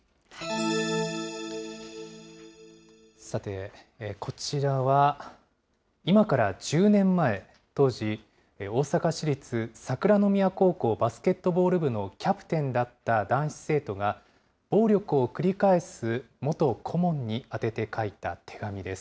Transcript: さて、こちらは今から１０年前、当時、大阪市立桜宮高校バスケットボール部のキャプテンだった男子生徒が、暴力を繰り返す元顧問に宛てて書いた手紙です。